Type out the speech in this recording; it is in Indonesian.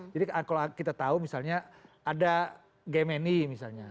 jadi kalau kita tahu misalnya ada gmi misalnya